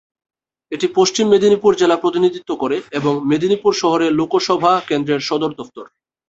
এটি পশ্চিম মেদিনীপুর জেলা প্রতিনিধিত্ব করে এবং মেদিনীপুর শহরে লোকসভা কেন্দ্রের সদর দফতর।